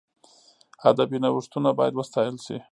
ادبي نوښتونه باید وستایل سي.